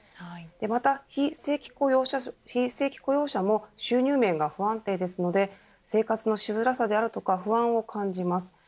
また、非正規雇用者も収入面が不安定ですので生活のしづらさであるとか不安を感じます。